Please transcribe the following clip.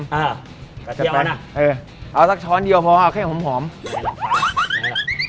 เอ้อกระเทียมเออเอาสักช้อนเดียวพอให้ผมหอมแน่ละแน่ละ